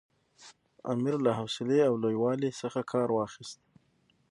امیر له حوصلې او لوی والي څخه کار واخیست.